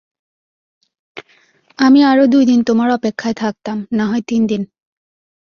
আমি আরো দুইদিন তোমার অপেক্ষায় থাকতাম, নাহয় তিনদিন।